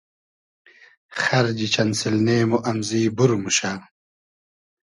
خئرجی چئن سیلنې مو امزی بور موشۂ